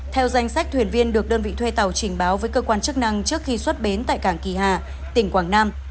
theo danh sách thuyền viên được đơn vị thuê tàu trình báo với cơ quan chức năng trước khi xuất bến tại cảng kỳ hà tỉnh quảng nam